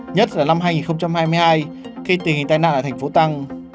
nhất là năm hai nghìn hai mươi hai khi tình hình tai nạn ở tp hcm tăng